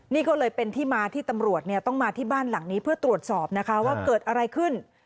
นี่ก็เลยเป็นที่มาที่ตำรวจต้องมาที่บ้านหลังนี้เพื่อตรวจสอบนะคะว่าเกิดอะไรขึ้น